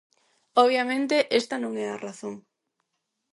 Obviamente esta non é a razón.